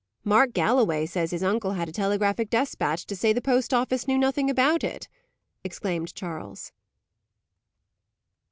"Mark Galloway says his uncle had a telegraphic despatch, to say the post office knew nothing about it," exclaimed Charles.